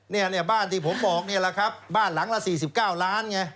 เนี่ยบ้านที่ผมบอกนี่แหละครับบ้านหลังละ๔๙ล้านไง